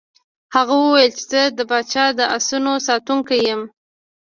هغه وویل چې زه د پاچا د آسونو ساتونکی یم.